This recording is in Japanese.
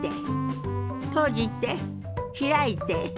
閉じて開いて。